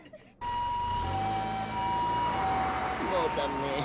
もうダメ。